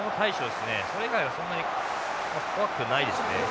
それ以外はそんなに怖くないですね。